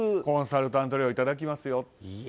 コンサルタント料をいただきますよと。